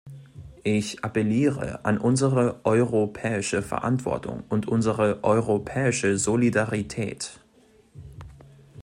Ich appelliere an unsere europäische Verantwortung und unsere europäische Solidarität.